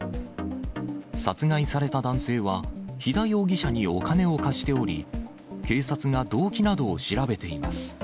殺害された男性は、肥田容疑者にお金を貸しており、警察が動機などを調べています。